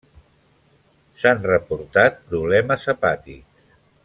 S'han reportat problemes hepàtics.